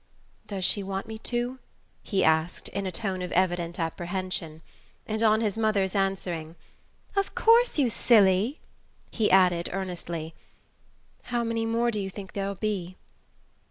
"Does she want me to?" he asked, in a tone of evident apprehension; and on his mother's answering: "Of course, you silly!" he added earnestly: "How many more do you think there'll be?"